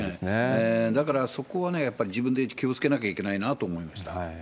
だからそこをね、やっぱり自分で気をつけなきゃいけないなと思いました。